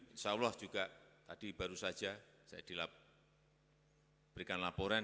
insya allah juga tadi baru saja saya diberikan laporan